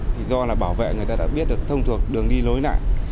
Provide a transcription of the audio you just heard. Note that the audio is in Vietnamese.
thì do là bảo vệ người ta đã biết được thông thuộc đường đi lối lại